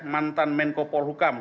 mantan menko polhukam